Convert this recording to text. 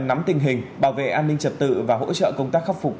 nắm tình hình bảo vệ an ninh trật tự và hỗ trợ công tác khắc phục